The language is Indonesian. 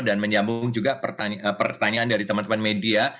dan menyambung juga pertanyaan dari teman teman media